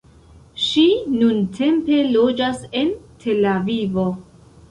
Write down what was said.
Ŝi nuntempe loĝas en Tel Avivo.